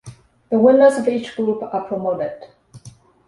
The winners of each group are promoted.